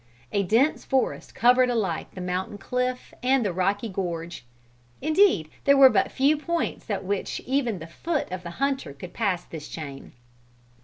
A dense forest covered alike the mountain cliff and the rocky gorge. Indeed there were but few points at which even the foot of the hunter could pass this chain.